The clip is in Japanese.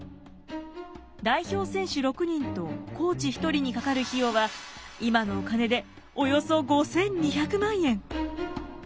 代表選手６人とコーチ１人にかかる費用は今のお金でおよそ５，２００万円。